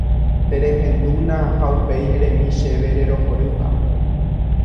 Terehendúna ha upéi eremi chéve rerohorýpa.